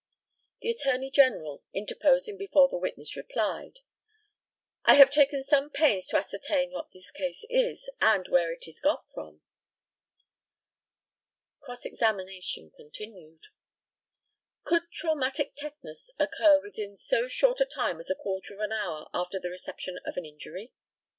The ATTORNEY GENERAL, interposing before the witness replied: I have taken some pains to ascertain what that case is, and where it is got from. Cross examination continued; Could traumatic tetanus occur within so short a time as a quarter of an hour after the reception of an injury?